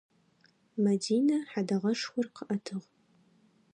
Мэдинэ хьэдэгъэшхор къыӏэтыгъ.